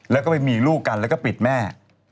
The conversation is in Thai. แล้วก็ไปมีลูกกันแล้วก็ปิดแม่